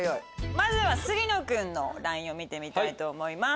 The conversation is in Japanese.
まずは杉野君のＬＩＮＥを見てみたいと思います。